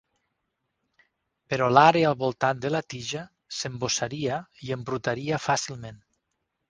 Però l'àrea al voltant de la tija s'embossaria i embrutaria fàcilment.